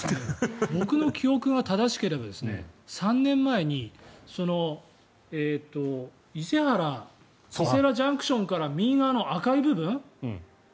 僕の記憶が正しければ３年前に伊勢原ＪＣＴから右側の赤い部分？